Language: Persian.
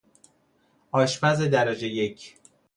آشپز درجه یک